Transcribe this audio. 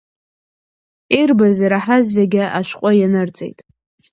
Ирбаз-ираҳаз зегьы ашәҟәы ианырҵеит.